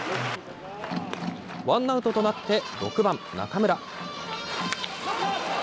ワンアウトとなって６番中村。